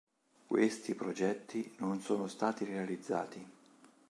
Questi progetti non sono stati realizzati.